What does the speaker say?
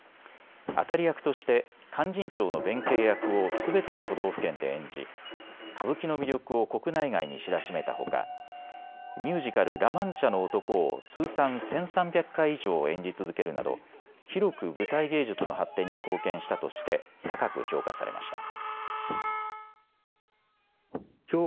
当たり役として勧進帳の弁慶役をすべての都道府県で演じ歌舞伎の魅力を国内外に知らしめたほかミュージカル、ラ・マンチャの男を通算１３００回以上演じ続けるなど広く舞台芸術の発展に貢献したとして高く評価されました。